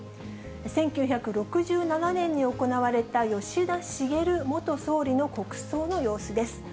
１９６７年に行われた吉田茂元総理の国葬の様子です。